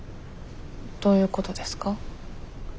どういうことですか？